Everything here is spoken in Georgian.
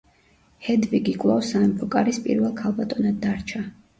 ჰედვიგი კვლავ სამეფო კარის პირველ ქალბატონად დარჩა.